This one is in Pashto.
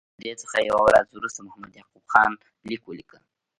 له دې څخه یوه ورځ وروسته محمد یعقوب خان لیک ولیکه.